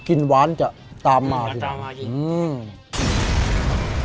กลิ่นหวานจะตามมาอืมก็ตามมาจริงอืม